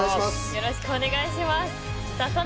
よろしくお願いします。